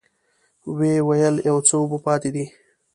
ويې ويل: يو څه اوبه پاتې دي.